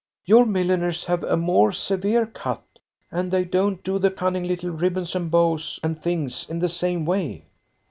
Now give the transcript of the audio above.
Your milliners have a more severe cut, and they don't do the cunning little ribbons and bows and things in the same way."